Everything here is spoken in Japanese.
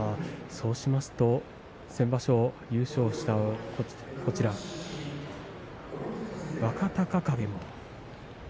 そうしますと先場所、優勝した若隆景も。